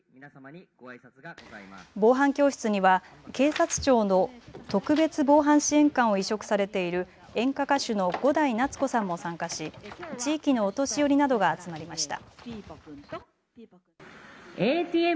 防犯教室には警察庁の特別防犯支援官を委嘱されている演歌歌手の伍代夏子さんも参加し地域のお年寄りなどが集まりました。